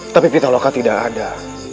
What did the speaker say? tapi pitaloka tidak ada